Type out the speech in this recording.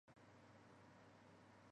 他娶了当地领袖的女儿吉塞拉。